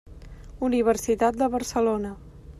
Universitat de Barcelona.